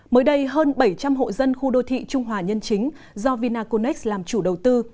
mới đây hơn bảy trăm linh hộ dân khu đô thị trung hòa nhân chính do vinaconex làm chủ đầu tư